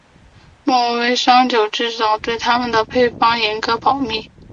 威末酒制造商对他们的配方严格保密。